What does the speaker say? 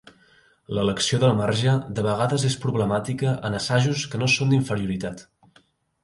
L'elecció del marge de vegades és problemàtica en assajos que no són d'inferioritat.